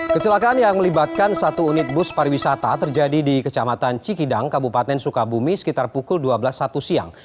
kecelakaan yang melibatkan satu unit bus pariwisata terjadi di kecamatan cikidang kabupaten sukabumi sekitar pukul dua belas satu siang